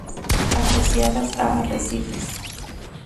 Asociadas a arrecifes.